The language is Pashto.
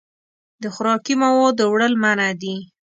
د خوراکي موادو وړل منع دي.